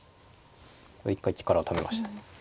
一回力をためました。